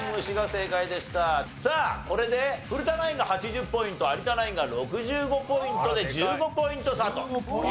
さあこれで古田ナインが８０ポイント有田ナインが６５ポイントで１５ポイント差という事になりました。